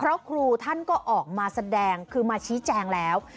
เพราะครูท่านก็ออกมาแสดงคือมาชี้แจงแล้ว